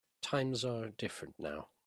Times are different now.